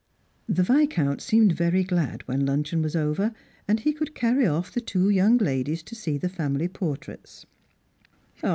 The Viscount seemed very glad when luncheon was over, and he could carry off the two young ladies to see the family portraits.